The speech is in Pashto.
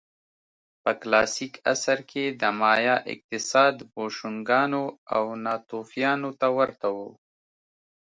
په کلاسیک عصر کې د مایا اقتصاد بوشونګانو او ناتوفیانو ته ورته و